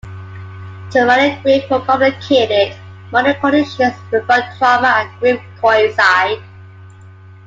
Traumatic grief or complicated mourning are conditions where both trauma and grief coincide.